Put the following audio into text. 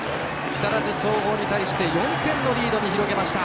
木更津総合に対して４点のリードに広げました。